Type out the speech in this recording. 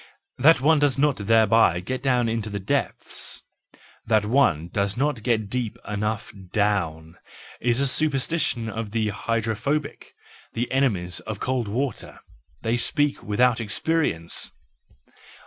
That one does not thereby get into the depths, that one does not get deep enough down —is a superstition of the hydrophobic, the enemies of cold water; they speak without experience.